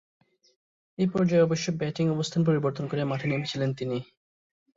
এ পর্যায়ে অবশ্য ব্যাটিং অবস্থান পরিবর্তন করে মাঠে নেমেছিলেন তিনি।